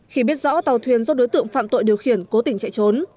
khi biết rõ tàu thuyền do đối tượng phạm tội điều khiển cố tình chạy trốn